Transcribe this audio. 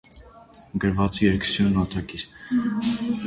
Գրված է երկսյուն, նոտագիր։